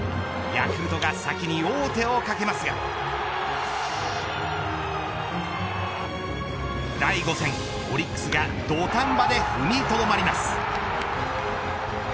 ヤクルトが先に王手をかけますが第５戦オリックスが土壇場で踏みとどまります。